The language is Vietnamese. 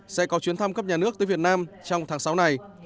sẽ có chuyến thăm cấp nhà nước tới việt nam trong tháng sáu này